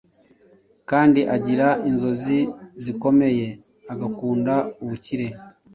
kandi agira inzozi zikomeye, agakunda ubukire.